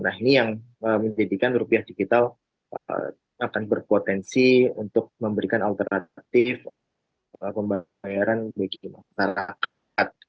nah ini yang menjadikan rupiah digital akan berpotensi untuk memberikan alternatif pembayaran bagi masyarakat